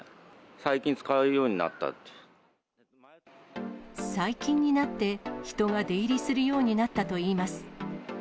最近、最近になって、人が出入りするようになったといいます。